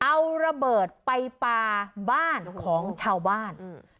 เอาระเบิดไปปลาบ้านของชาวบ้าน